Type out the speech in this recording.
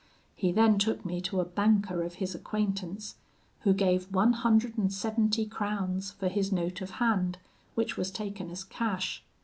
He then took me to a banker of his acquaintance, who gave one hundred and seventy crowns for his note of hand, which was taken as cash.